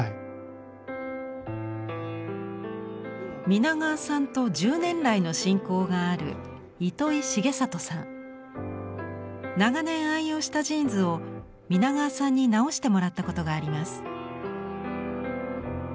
皆川さんと十年来の親交がある長年愛用したジーンズを皆川さんに直してもらったことがあります。